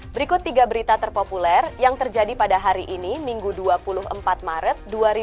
berikut tiga berita terpopuler yang terjadi pada hari ini minggu dua puluh empat maret dua ribu dua puluh